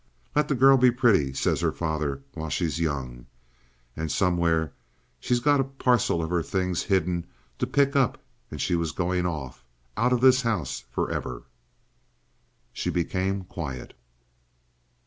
'Let the girl be pretty,' says her father, 'while she's young!' And somewhere she'd got a parcel of her things hidden to pick up, and she was going off—out of this house for ever!" She became quiet.